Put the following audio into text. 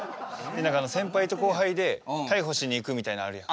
先輩と後輩で逮捕しに行くみたいなのあるやん。